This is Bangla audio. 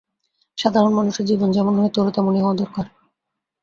সাধারণ মানুষের জীবন যেমন হয় তোরও তেমনি হওয়া দরকার।